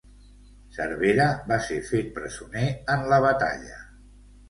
Cervera va ser fet presoner en la batalla.